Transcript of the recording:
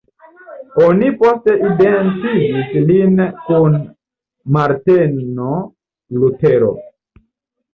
Oni poste identigis lin kun Marteno Lutero.